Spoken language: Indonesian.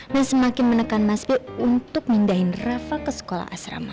dan semakin menekan mas bi untuk mindahin reva ke sekolah asrama